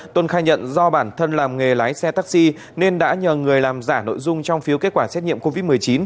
tuân khai nhận do bản thân làm nghề lái xe taxi nên đã nhờ người làm giả nội dung trong phiếu kết quả xét nghiệm covid một mươi chín